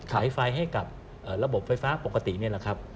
ไฟให้กับระบบไฟฟ้าปกตินี่แหละครับ